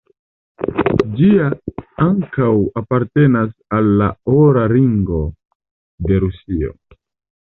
Ĝia ankaŭ apartenas al la Ora Ringo de Rusio.